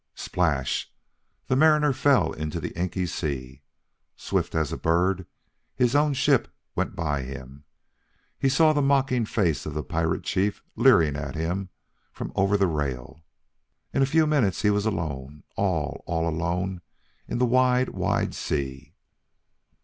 Splash! the Mariner fell into the inky sea. Swift as a bird, his own ship went by him; he saw the mocking face of the pirate chief leering at him from over the rail; in a few minutes he was alone, all, all alone in the wide, wide sea.